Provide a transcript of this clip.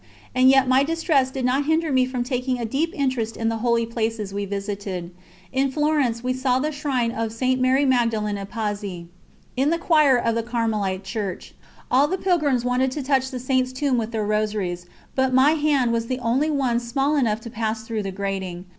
And yet my distress did not hinder me from taking a deep interest in the holy places we visited. In Florence we saw the shrine of St. Mary Magdalen of Pazzi, in the choir of the Carmelite Church. All the pilgrims wanted to touch the Saint's tomb with their Rosaries, but my hand was the only one small enough to pass through the grating.